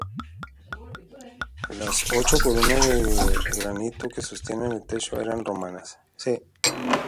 Las ocho columnas de granito que sostenían el techo eran romanas.